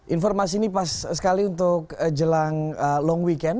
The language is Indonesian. informasi ini pas sekali untuk jelang long weekend